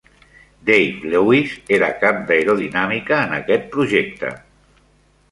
Dave Lewis era cap d'aerodinàmica en aquest projecte.